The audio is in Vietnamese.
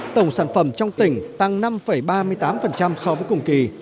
tổng sản phẩm trong tỉnh tăng năm ba mươi tám so với cùng kỳ